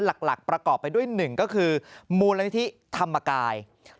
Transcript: หลักประกอบไปด้วย๑ก็คือมูลนิธิธรรมกาย